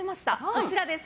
こちらです。